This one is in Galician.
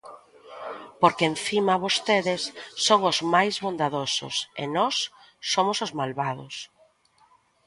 Porque encima vostedes son os máis bondadosos e nós somos os malvados.